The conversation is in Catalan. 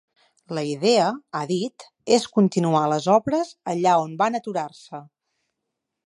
La idea, ha dit, és continuar les obres allà on van aturar-se.